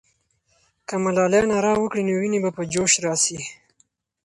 که ملالۍ ناره وکړي، نو ويني به په جوش راسي.